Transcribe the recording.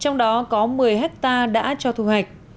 trong đó có một mươi hectare đã cho thu hoạch